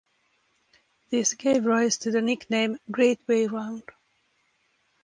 This gave rise to the nickname 'Great Way Round'.